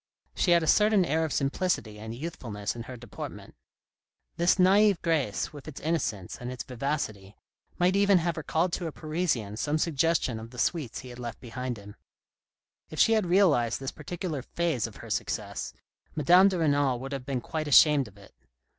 She had a certain air of simplicity and youthfulness in her deportment. This naive grace, with its innocence and its vivacity, might even have recalled to a Parisian some suggestion of the sweets he THE POOR FUND 13 had left behind him. If she had realised this particular phase of her success, Madame de Renal would have been quite ashamed of it.